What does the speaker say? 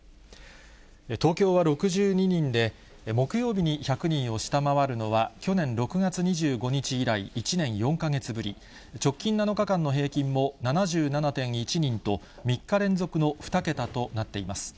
東京は６２人で、木曜日に１００人を下回るのは、去年６月２５日以来１年４か月ぶり、直近７日間の平均も７７．１人と、３日連続の２桁となっています。